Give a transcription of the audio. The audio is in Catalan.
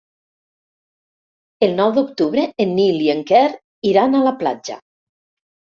El nou d'octubre en Nil i en Quer iran a la platja.